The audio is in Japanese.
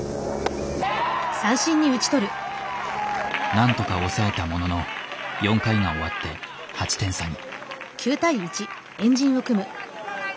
なんとか抑えたものの４回が終わって８点差に。